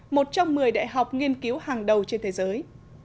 một trong một mươi đại học nghiên cứu hàng đầu trên thế giới